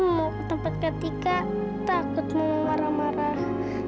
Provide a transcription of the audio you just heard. mau ke tempat ke tiga takut mau marah marah